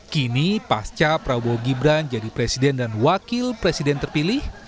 kini pasca prabowo gibran jadi presiden dan wakil presiden terpilih